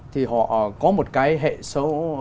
thì họ có một cái hệ số